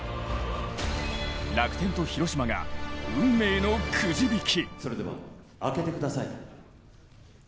楽天と広島が、運命のくじ引き。